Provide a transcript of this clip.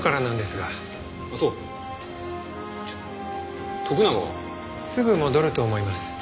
すぐ戻ると思います。